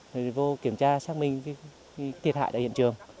thì vô kiểm tra xác minh thiệt hại tại hiện trường